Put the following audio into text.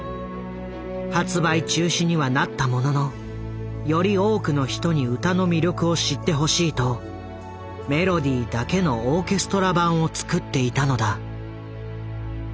発売中止にはなったもののより多くの人に歌の魅力を知ってほしいとメロディーだけのオーケストラ版を作っていたのだ。